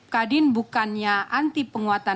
kadin bukannya anti penguatan